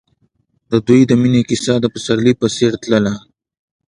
د دوی د مینې کیسه د پسرلی په څېر تلله.